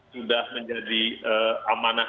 sudah menjadi amanah